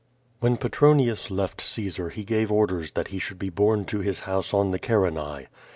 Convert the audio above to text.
Wlien Petronius left Caesar he gave orders that he should be borne to his house on the Carinae.